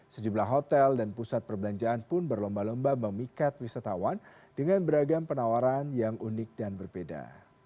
sejumlah hotel dan pusat perbelanjaan pun berlomba lomba memikat wisatawan dengan beragam penawaran yang unik dan berbeda